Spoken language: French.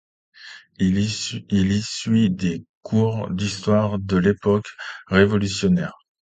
Il y suit des cours d'histoire de l'époque révolutionnaire.